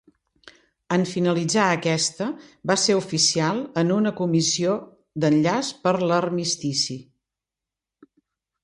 En finalitzar aquesta, va ser oficial en una comissió d'Enllaç per l'Armistici.